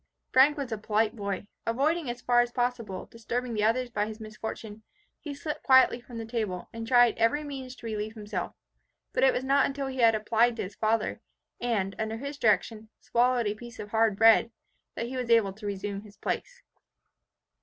Frank was a polite boy. Avoiding, as far as possible, disturbing the others by his misfortune, he slipped quietly from the table, and tried every means to relieve himself. But it was not until he had applied to his father, and, under his direction, swallowed a piece of hard bread, that he was able to resume his place.